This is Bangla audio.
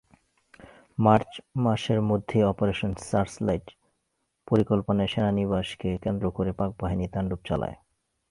মার্চ মাসের মধ্যেই অপারেশন সার্চলাইট পরিকল্পনায় সেনানিবাসকে কেন্দ্র করে পাকবাহিনী তান্ডব চালায়।